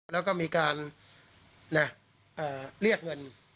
แล้วก็มีการเรียกเงิน